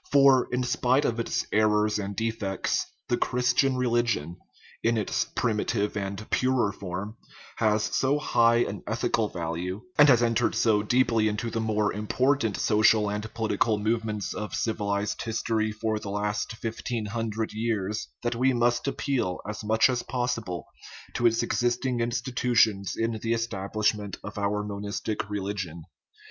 For, in spite of its errors and defects, the Christian religion (in its primitive and purer form) has so high an ethi cal value, and has entered so deeply into the most im portant social and political movements of civilized his tory for the last fifteen hundred years, that we must appeal as much as possible to its existing institutions in the establishment of our monistic religion.